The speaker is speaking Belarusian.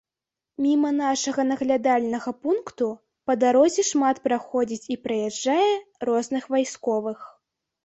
Міма нашага наглядальнага пункту па дарозе шмат праходзіць і праязджае розных вайсковых.